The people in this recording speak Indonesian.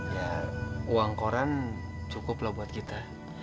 ya uang koran cukup lah buat kita